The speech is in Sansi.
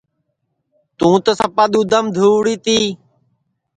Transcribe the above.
تُوں تو سپا دُؔؔودھام دہؤڑی تی